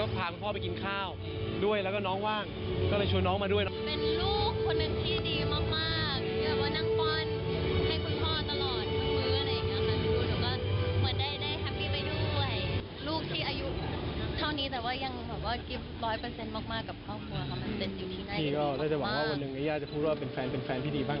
แต่ว่าวันหนึ่งยังได้ยักษ์พูดด้วยว่าให้เป็นแฟนแล้วเป็นแฟนที่ดีบ้าง